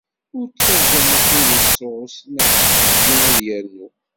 Ur ttaǧǧa afud iṣuṣ neɣ ḥǧeǧǧu ad yernu.